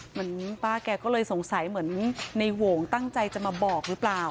เหมือนป้าแกก็เลยสงสัยเหมือนในโหงตั้งใจจะมาบอกหรือเปล่า